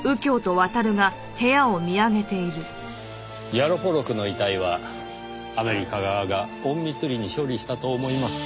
ヤロポロクの遺体はアメリカ側が隠密裏に処理したと思います。